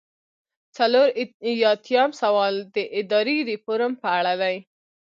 څلور ایاتیام سوال د اداري ریفورم په اړه دی.